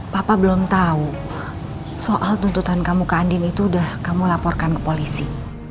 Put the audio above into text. papa belum tahu soal tuntutan kamu ke andin itu sudah kamu laporkan ke polisi